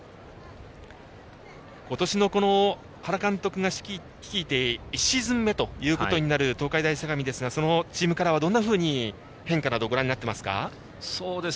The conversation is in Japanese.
今年の原監督が率いて１シーズン目となる東海大相模ですがそのチームカラーはどんなふうに変化などをご覧になっていますか。